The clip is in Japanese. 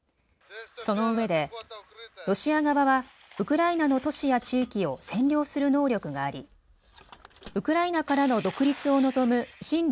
そのうえでロシア側は、ウクライナの都市や地域を占領する能力があり、ウクライナからの独立を望む親